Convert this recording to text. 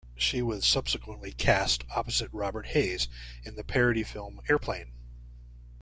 She was subsequently cast opposite Robert Hays in the parody film, "Airplane!".